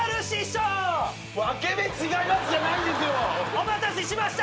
お待たせしました！